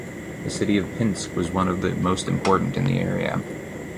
The city of Pinsk is one of the most important in the area.